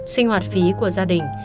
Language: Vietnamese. sinh hoạt phí của gia đình